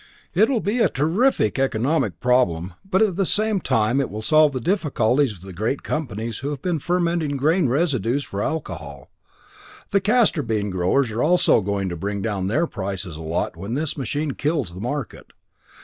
It will be a terrific economic problem, but at the same time it will solve the difficulties of the great companies who have been fermenting grain residues for alcohol. The castor bean growers are also going to bring down their prices a lot when this machine kills the market.